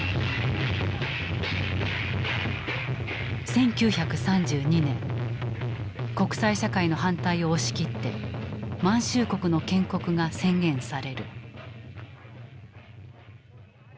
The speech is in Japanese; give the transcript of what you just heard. １９３２年国際社会の反対を押し切って「満州国」の建国が宣言される。